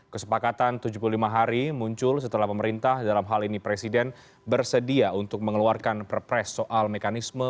kesepakatan tujuh puluh lima hari muncul setelah pemerintah dalam hal ini presiden bersedia untuk mengeluarkan perpres soal mekanisme